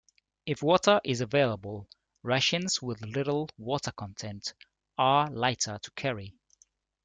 If water is available, rations with little water content are lighter to carry.